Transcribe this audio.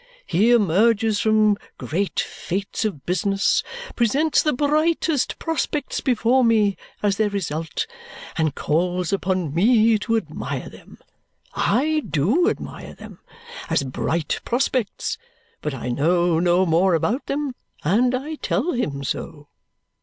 He emerges from great feats of business, presents the brightest prospects before me as their result, and calls upon me to admire them. I do admire them as bright prospects. But I know no more about them, and I tell him so."